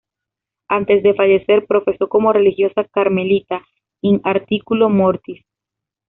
Antes de fallecer, profesó como religiosa carmelita "in articulo mortis".